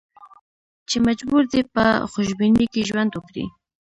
چې مجبور دي په خوشبینۍ کې ژوند وکړي.